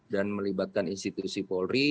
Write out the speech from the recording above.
dan melibatkan institusi polri